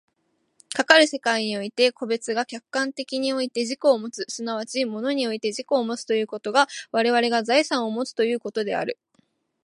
かかる世界において個物が客観界において自己をもつ、即ち物において自己をもつということが我々が財産をもつということである。